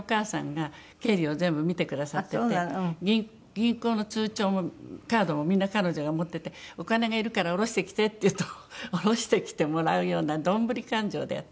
銀行の通帳もカードもみんな彼女が持ってて「お金がいるから下ろしてきて」って言うと下ろしてきてもらうような丼勘定でやって。